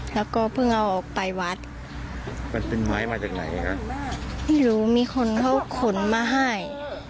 แล้วก็เพิ่งเอาออกไปวัดมันเป็นไม้มาจากไหนคะไม่รู้มีคนเขาขนมาให้